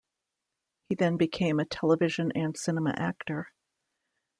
He then became a television and cinema actor.